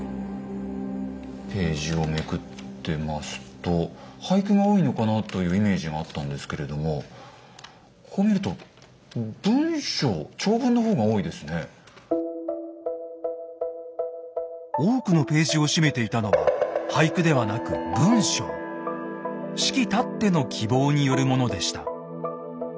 ページをめくってますと俳句が多いのかなあというイメージがあったんですけれどもこう見ると多くのページを占めていたのは子規たっての希望によるものでした。